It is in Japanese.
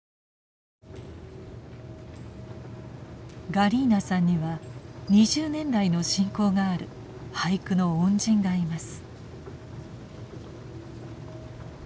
ガリーナさんには２０年来の親交がある俳句の恩人がいます。